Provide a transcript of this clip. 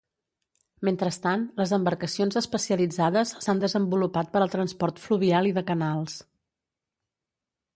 Mentrestant, les embarcacions especialitzades s'han desenvolupat per al transport fluvial i de canals.